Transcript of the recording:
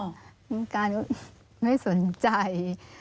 กรรมการไม่สนใจ